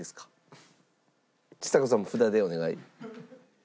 ちさ子さんも札でお願い。